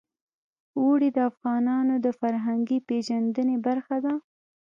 اوړي د افغانانو د فرهنګي پیژندنې برخه ده.